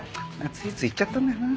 ついつい言っちゃったんだよな。